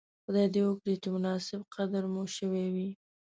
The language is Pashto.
خدای دې وکړي چې مناسب قدر مو شوی وی.